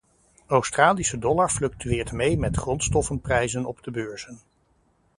Australische dollar fluctueert mee met grondstoffenprijzen op de beurzen.